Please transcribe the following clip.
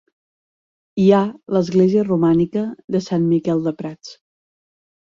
Hi ha l'església romànica de Sant Miquel de Prats.